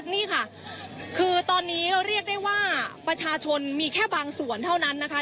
นี่ค่ะคือตอนนี้เราเรียกได้ว่าประชาชนมีแค่บางส่วนเท่านั้นนะคะ